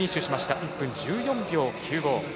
１分１４秒９５。